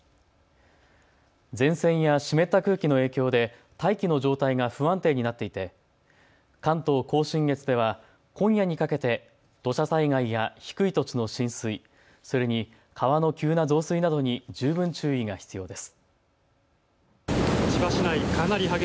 前線や湿った空気の影響で大気の状態が不安定になっていて関東甲信越では今夜にかけて土砂災害や低い土地の浸水、それに川の急な増水などに十分注意が必要です。